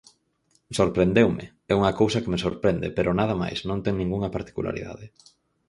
Sorprendeume, é unha cousa que me sorprende, pero nada máis, non ten ningunha particularidade.